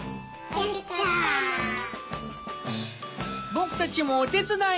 僕たちもお手伝い！